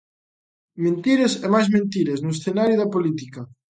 Mentiras e máis mentiras no escenario da política.